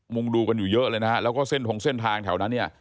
มุ่งดูกันอยู่เยอะเลยนะครับแล้วก็ทางแถวนั้นเนี่ย